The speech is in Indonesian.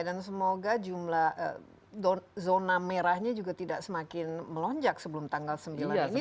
dan semoga zona merahnya juga tidak semakin melonjak sebelum tanggal sembilan ini